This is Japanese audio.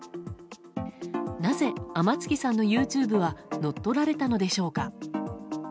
なぜ天月さんのＹｏｕＴｕｂｅは乗っ取られたのでしょうか。